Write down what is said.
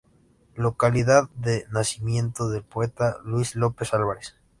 Localidad de nacimiento del poeta Luis López Álvarez.